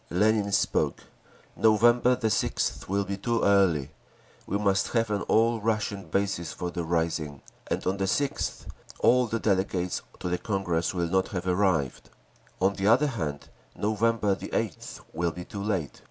Lenin spoke: "November 6th will be too early. We must have an all Russian basis for the rising; and on the 6th all the delegates to the Congress will not have arrived…. On the other hand, November 8th will be too late.